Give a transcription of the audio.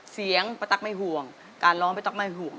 เสียงป้าตั๊กไม่ห่วงการร้องป้าตั๊กไม่ห่วง